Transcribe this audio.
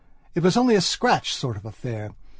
It was only a scratch sort of affair.